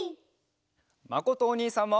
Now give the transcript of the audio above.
まことおにいさんも。